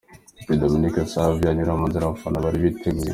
Nshuti Dominique Savio anyura mu nzira abafana bari bateguye.